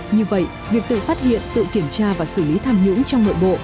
như vậy việc tự phát hiện tự kiểm tra và xử lý tham nhũng trong nội bộ